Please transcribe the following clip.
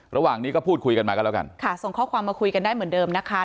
ระหว่างนี้ก็พูดคุยกันมาก็แล้วกันค่ะส่งข้อความมาคุยกันได้เหมือนเดิมนะคะ